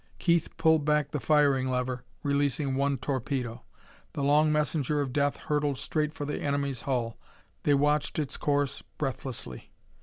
Keith pulled back the firing lever, releasing one torpedo. The long messenger of death hurtled straight for the enemy's hull. They watched its course breathlessly....